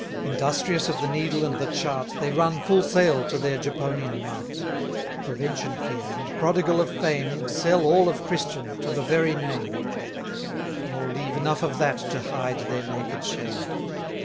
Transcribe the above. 570 Industrious of the needle and the chart, They run full sail to their Japonian mart; Prevention fear, and, prodigal of fame, Sell all of Christian, to the very name; Nor leave enough of that, to hide their naked shame.